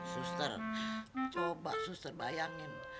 suster coba suster bayangin